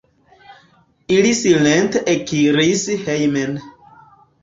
Ili silente ekiris hejmen.